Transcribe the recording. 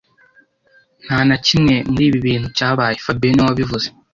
Nta na kimwe muri ibi bintu cyabaye fabien niwe wabivuze